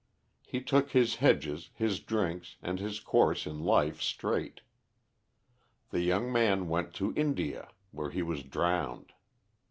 He took his hedges, his drinks, and his course in life straight. The young man went to India, where he was drowned.